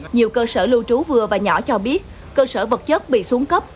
nhiều cơ sở lưu trú vừa và nhỏ cho biết cơ sở vật chất bị xuống cấp